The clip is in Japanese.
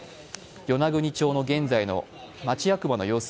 与那国町の現在の町役場の様子